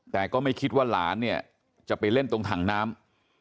แต่ก็ไม่คิดว่าหลานเนี่ยจะไปเล่นตรงถังน้ำ